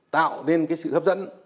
tạo nên cái sự hấp dẫn